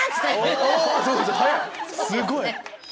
すごい！